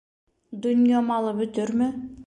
Донъя малы бөтөрмө?